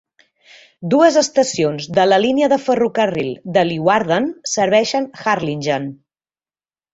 Dues estacions de la línia de ferrocarril de Leeuwarden serveixen Harlingen.